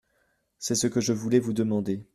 C’est que je voulais vous demander…